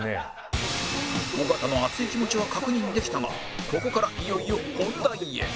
尾形の熱い気持ちは確認できたがここからいよいよ本題へ